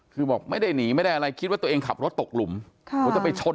คือบอกไม่ได้หนีไม่ได้อะไรคิดว่าตัวเองขับรถตกหลุมว่าจะไปชน